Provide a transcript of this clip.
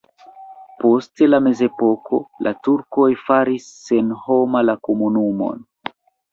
Post la mezepoko la turkoj faris senhoma la komunumon.